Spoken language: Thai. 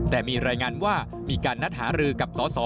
แต่มีรายงานว่ามีการนัดหารือกับสส